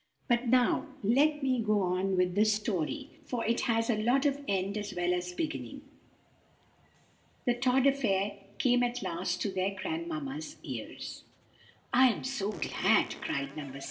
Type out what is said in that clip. But now let me go on with the story, for it has a sort of end as well as beginning. The Tod affair came at last to their grandmamma's ears." "I am so glad," cried No. 6.